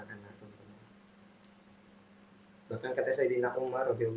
hai bahkan kata sayyidina umar r a